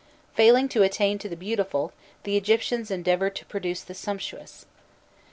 Failing to attain to the beautiful, the Egyptians endeavoured to produce the sumptuous.